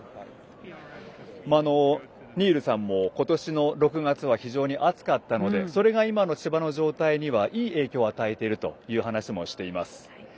ニールさんも今年の６月が非常に暑かったのでそれが今の芝の状態にはいい影響を与えているという話もしています。